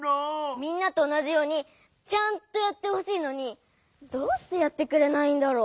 みんなとおなじようにちゃんとやってほしいのにどうしてやってくれないんだろう？